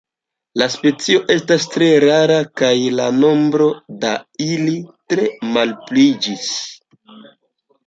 La specio estas tre rara kaj la nombro da ili tre malpliiĝis.